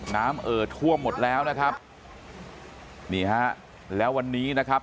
เอ่อท่วมหมดแล้วนะครับนี่ฮะแล้ววันนี้นะครับ